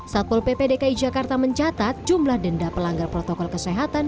satpol ppdki jakarta mencatat jumlah denda pelanggar protokol kesehatan